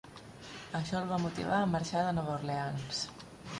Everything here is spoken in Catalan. Això el va motivar a marxar de Nova Orleans.